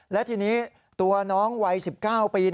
และทีนี้ตัวน้องวัย๑๙ปี